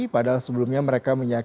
padahal sebelumnya mereka menyatakan